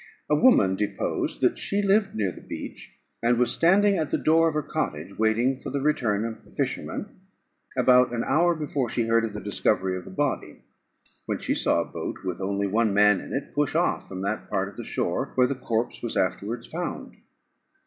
A woman deposed, that she lived near the beach, and was standing at the door of her cottage, waiting for the return of the fishermen, about an hour before she heard of the discovery of the body, when she saw a boat, with only one man in it, push off from that part of the shore where the corpse was afterwards found.